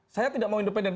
saya tidak mau independen